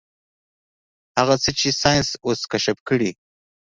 هغه څه چې ساينس اوس کشف کړي.